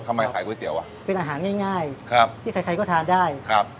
ทำไมขายก๋วยเตี๋ยวอ่ะเป็นอาหารง่ายครับที่ใครก็ทานได้ครับ